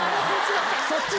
そっちも。